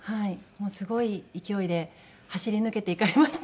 もうすごい勢いで走り抜けていかれました。